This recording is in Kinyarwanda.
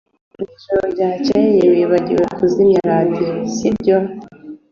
Ijoro ryakeye wibagiwe kuzimya radio sibyo